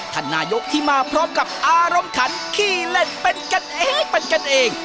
ท่านนายกที่มาพร้อมกับอารมณ์ขันขี้เล่นเป็นกันเอง